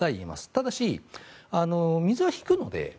ただし、水は引くので。